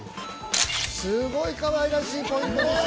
すごいかわいらしいポイントでした。